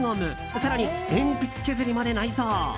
更に鉛筆削りまで内蔵。